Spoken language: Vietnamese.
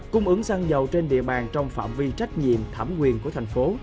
cung ứng xăng dầu trên địa bàn trong phạm vi trách nhiệm thẩm quyền của tp hcm